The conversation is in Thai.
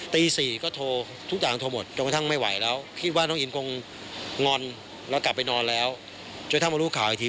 ตี๔ก็โทรทุกอย่างโทรหมด